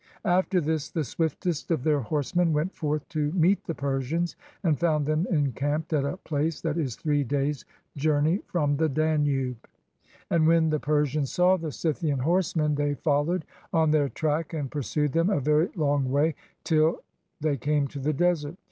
After this,.the swiftest of their horsemen went forth to meet the Persians, and found them encamped at a place that is three days' journey from the Danube. And 338 KING DARIUS AND THE FLYING SCYTHIANS when the Persians saw the Scythian horsemen they fol lowed on their track, and pursued them a very long way till they came to the desert.